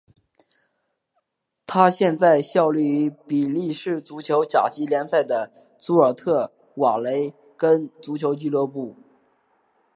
他现在效力于比利时足球甲级联赛的祖尔特瓦雷根足球俱乐部。